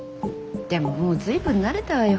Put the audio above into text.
でももう随分慣れたわよ。